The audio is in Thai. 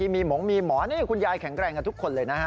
มีหมงมีหมอนี่คุณยายแข็งแรงกันทุกคนเลยนะฮะ